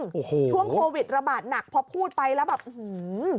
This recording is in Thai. ช่วงโควิดระบาดหนักพอพูดไปแล้วไปแบบหื้อมมมมม